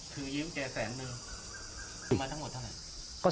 คือยืมแกแสนนึงมาทั้งหมดว่าเท่านั้น